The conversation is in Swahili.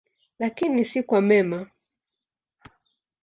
Lakini si kwa mema.